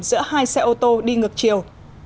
giữa hai xe ô tô đi ngược chiều